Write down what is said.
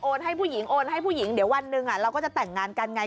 ให้ผู้หญิงโอนให้ผู้หญิงเดี๋ยววันหนึ่งเราก็จะแต่งงานกันไง